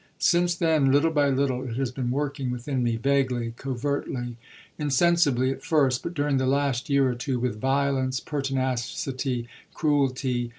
Since then, little by little, it has been working within me; vaguely, covertly, insensibly at first, but during the last year or two with violence, pertinacity, cruelty.